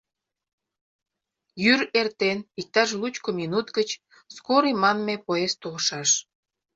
Йӱр эртен, иктаж лучко минут гыч скорый манме поезд толшаш.